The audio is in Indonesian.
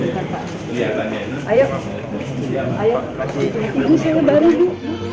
udah jauh pergi